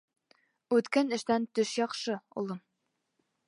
— Үткән эштән төш яҡшы, улым.